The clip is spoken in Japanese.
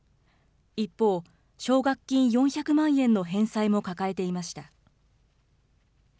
一方、奨学金４００万円の返済も抱えていました。